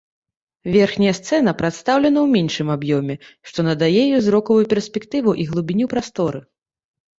Верхняя сцэна прадстаўлена ў меншым аб'ёме, што надае ёй зрокавую перспектыву і глыбіню прасторы.